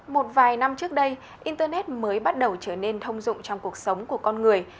một vài năm trước đây internet mới bắt đầu trở nên thông dụng trong cuộc sống của con người